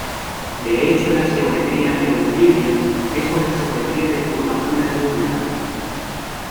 De hecho la geometría euclídea es una geometría de curvatura nula.